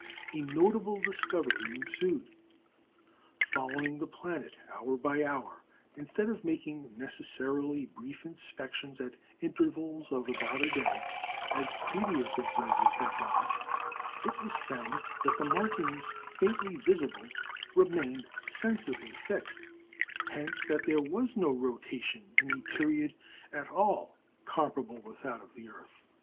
A notable discovery ensued. Following the planet hour by hour, instead of making necessarily brief inspections at intervals of about a day, as previous observers had done, it was found that the markings faintly visible remained sensibly fixed, hence, that there was no rotation in a period at all comparable with that of the earth.